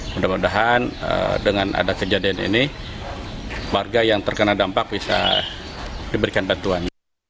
mudah mudahan dengan ada kejadian ini warga yang terkena dampak bisa diberikan bantuan